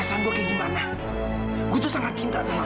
dan kamu akan menggambar kab scales